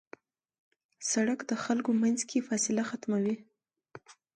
سړک د خلکو منځ کې فاصله ختموي.